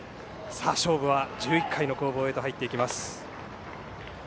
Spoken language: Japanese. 勝負は１１回の攻防へと入っていきます。